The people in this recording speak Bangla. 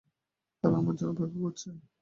তারা আমার জন্য অপেক্ষা করছে।